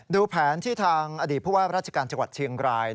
ดูแผนที่ทางอดีตผู้ว่าราชการจังหวัดเชียงราย